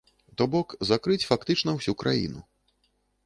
То бок, закрыць фактычна ўсю краіну.